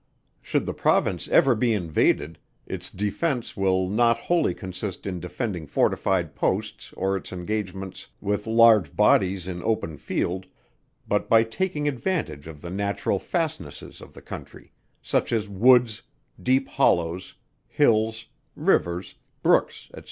Should the Province ever be invaded, its defence will not wholly consist in defending fortified posts or in engagements with large bodies in open field, but by taking advantage of the natural fastnesses of the country, such as woods, deep hollows, hills, rivers, brooks, &c.